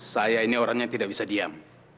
saya ini orang yang tidak bisa diam